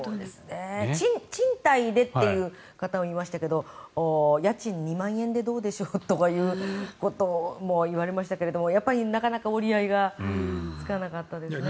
賃貸でという方もいましたが家賃２万円でどうでしょうとかってことを言われましたがやっぱりなかなか折り合いがつかなかったですね。